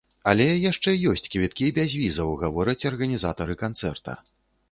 Але яшчэ ёсць квіткі без візаў, гавораць арганізатары канцэрта.